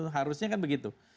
harusnya kan begitu